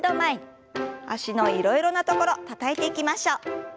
脚のいろいろなところたたいていきましょう。